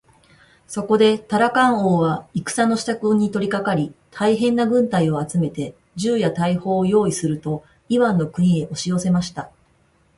そこでタラカン王は戦のしたくに取りかかり、大へんな軍隊を集めて、銃や大砲をよういすると、イワンの国へおしよせました。